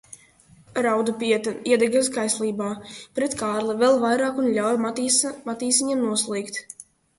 Raudupiete iedegas kaislībā pret Kārli vēl vairāk un ļauj Matīsiņam noslīkt.